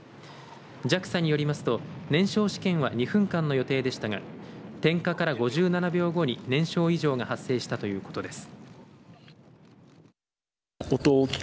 ＪＡＸＡによりますと燃焼試験は２分間の予定でしたが点火から５７秒後に燃焼異常が発生したということです。